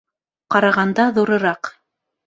Ҡарағанда ҙурыраҡ